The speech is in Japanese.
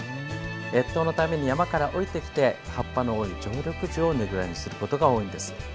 越冬のために山から下りてきて葉っぱの多い常緑樹をねぐらにすることが多いんです。